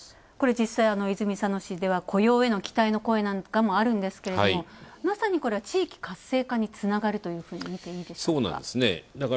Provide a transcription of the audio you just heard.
実際、泉佐野市では雇用への期待の声もあるんですけどもまさに地域活性化につながるというふうに見ていいでしょうか。